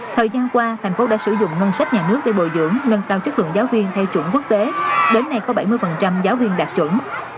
thời gian qua thành phố đã sử dụng ngân sách nhà nước để bồi dưỡng nâng cao chất lượng giáo viên theo chuẩn quốc tế đến nay có bảy mươi giáo viên đạt chuẩn